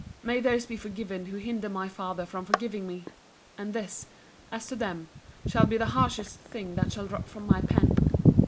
—May those be forgiven who hinder my father from forgiving me!—and this, as to them, shall be the harshest thing that shall drop from my pen.